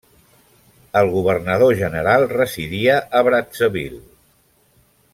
El governador general residia a Brazzaville.